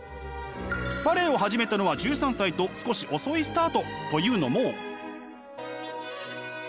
バレエを始めたのは１３歳と少し遅いスタート。というのも。